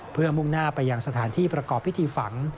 เพื่อมุ่งหน้าไปยังสถานที่ประกอบพิธีฝัง